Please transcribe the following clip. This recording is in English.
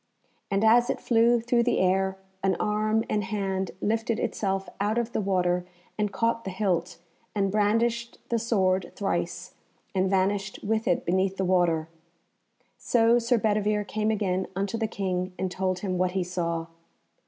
And as it flew through the air, an arm and hand lifted itself out of the water, and caught the hilt, and brandished the sword thrice, and vanished with it beneath the water. So Sir Bedivere came again unto the King, and told him what he saw.